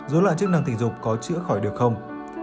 dối loạn chức năng tình dục có chữa khỏi được không